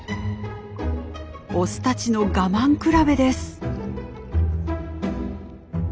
オスたちの我慢比べです。